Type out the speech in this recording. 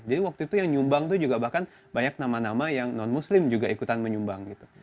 jadi waktu itu yang nyumbang tuh juga bahkan banyak nama nama yang non muslim juga ikutan menyumbang gitu